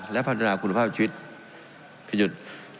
และพันธุรกุลภาพผลิตชีวิตพิจารณ์